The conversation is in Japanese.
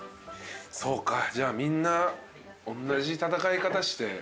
そうかじゃあみんなおんなじ戦い方して。